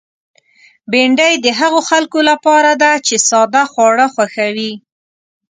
بېنډۍ د هغو خلکو لپاره ده چې ساده خواړه خوښوي